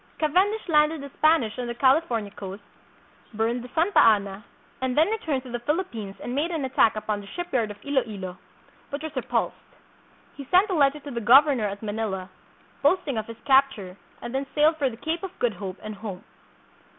Cavendish landed the Spanish on the California coast, burned the "Santa Ana," and then returned to the Philippines and made an attack upon the shipyard of Iloilo, but was re THREE HUNDRED YEARS AGO. 177 pulsed. He sent a letter to the governor at Manila, boast ing of his capture, and then sailed for the Cape of Good Hope and home.